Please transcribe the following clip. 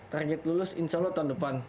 target lulus insya allah tahun depan